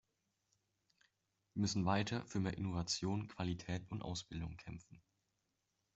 Wir müssen weiter für mehr Innovation, Qualität und Ausbildung kämpfen.